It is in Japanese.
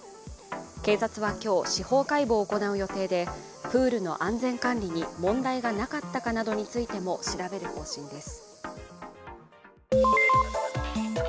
警察は今日、司法解剖を行う予定でプールの安全管理に問題がなかったかなどについても調べる方針です。